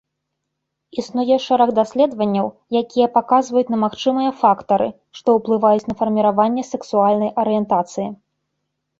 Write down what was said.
Існуе шэраг даследванняў, якія паказваюць на магчымыя фактары, што ўплываюць на фарміраванне сексуальнай арыентацыі.